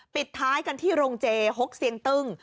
ปิดท้ายกันที่โรงเจฮกเสียงตึ้ง